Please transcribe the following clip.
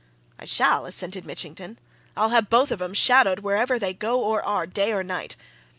"I shall!" assented Mitchington. "I'll have both of 'em shadowed wherever they go or are, day or night.